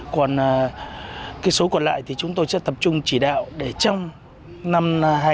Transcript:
còn cái số còn lại thì chúng tôi sẽ tập trung chỉ đạo để trong năm hai nghìn hai mươi bốn